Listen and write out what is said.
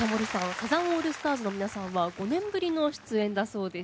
サザンオールスターズの皆さんは５年ぶりの出演だそうです。